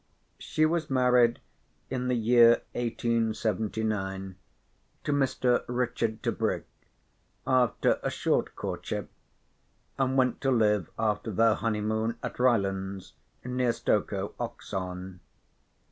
She was married in the year 1879 to Mr. Richard Tebrick, after a short courtship, and went to live after their honeymoon at Rylands, near Stokoe, Oxon.